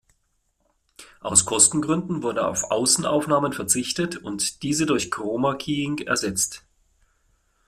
Aus Kostengründen wurde auf Außenaufnahmen verzichtet und diese durch Chroma-Keying ersetzt.